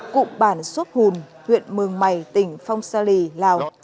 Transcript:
cụ bản xuất hùn huyện mường mày tỉnh phong sa lì lào